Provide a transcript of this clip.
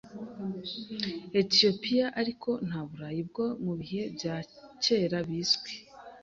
Etiyopiya ariko nta Burayi bwo mu bihe bya kera bizwi